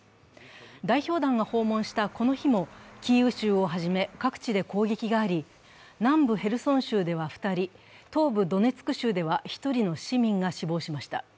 代表団が訪問したこの日も、キーウ州を初め各地で攻撃があり、南部ヘルソン州では２人、東部ドネツク州では１人の市民が死亡しました。